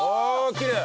きれい！